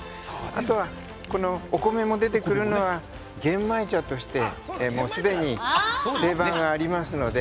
あとは、お米も出てくるのは玄米茶としてもう、すでに定番がありますので。